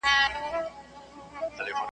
ماته تیري کیسې وايي دا خوبونه ریشتیا کیږي .